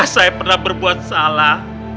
saya pernah berbuat salah